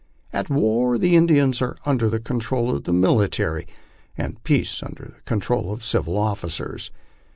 At war the Indians are under the control of the military, at peace under the control of the civil officers.